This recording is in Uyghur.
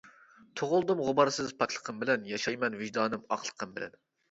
تۇغۇلدۇم غۇبارسىز پاكلىقىم بىلەن، ياشايمەن ۋىجدانىم ئاقلىقىم بىلەن.